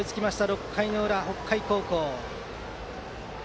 ６回裏、北海高校。